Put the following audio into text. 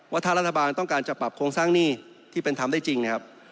ว่าถ้ารัฐบาลต้องการจะปรับโครงสร้างหนี้ที่เป็นทำได้จริงนะครับ